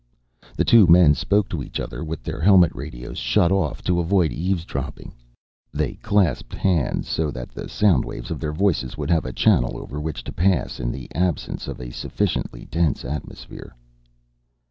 The two men spoke to each other with their helmet radios shut off to avoid eaves dropping. They clasped hands so that the sound waves of their voices would have a channel over which to pass, in the absence of a sufficiently dense atmosphere.